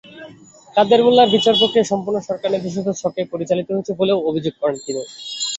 কাদের মোল্লার বিচারপ্রক্রিয়া সম্পূর্ণ সরকার-নির্দেশিত ছকে পরিচালিত হয়েছে বলেও অভিযোগ করেন তিনি।